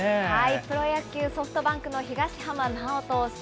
プロ野球・ソフトバンクの東浜巨投手。